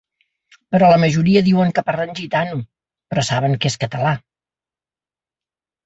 Però la majoria diuen que parlen gitano, però saben que és català.